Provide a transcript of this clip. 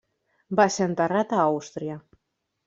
Va ser enterrat a Àustria.